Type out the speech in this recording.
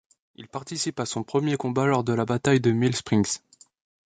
Il participe à son premier combat lors de la bataille de Mill Springs.